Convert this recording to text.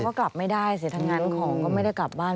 เขาก็กลับไม่ได้เสียทางงานของก็ก็ไม่ได้กลับบ้าน